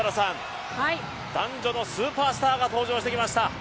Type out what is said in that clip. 男女のスーパースターが登場してきました。